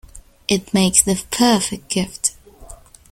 It makes the perfect gift.